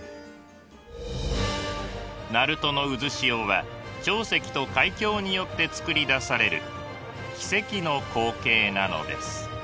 鳴門の渦潮は潮汐と海峡によって作り出される奇跡の光景なのです。